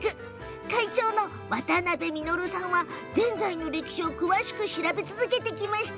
会長の渡部稔さんはぜんざいの歴史を詳しく調べてきました。